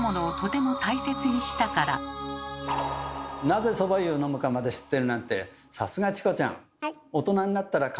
なぜそば湯を飲むかまで知ってるなんてさすがチコちゃん！